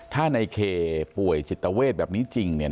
ถ้าในเคป่วยจิตเวทแบบนี้จริง